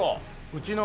うちの。